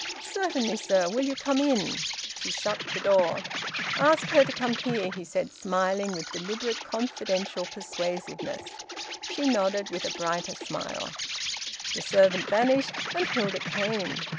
"Certainly, sir. Will you come in?" She shut the door. "Ask her to come here," he said, smiling with deliberate confidential persuasiveness. She nodded, with a brighter smile. The servant vanished, and Hilda came.